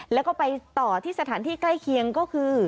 แล้วก็ไปต่อที่สถานที่ใกล้เคียงก็คือ